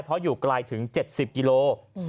เพราะอยู่ไกลถึง๗๐กิโล